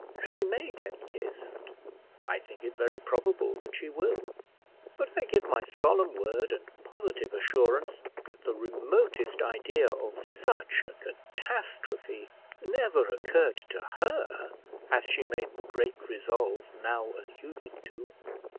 She may get kissed; I think it very probable that she will; but I give my solemn word and positive assurance, that the remotest idea of such a catastrophe never occurred to her as she made the great resolve now alluded to.